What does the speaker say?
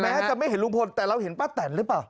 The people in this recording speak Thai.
จะไม่เห็นลุงพลแต่เราเห็นป้าแตนหรือเปล่า